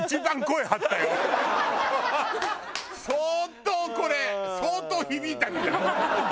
相当これ相当響いたみたい。